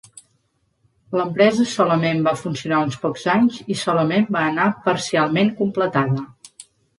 L'empresa solament va funcionar uns pocs anys i solament va anar parcialment completada.